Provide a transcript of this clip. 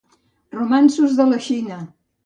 Romanços de la Xina!